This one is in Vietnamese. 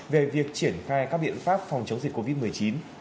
về việc triển khai các biện pháp phòng chống dịch covid một mươi chín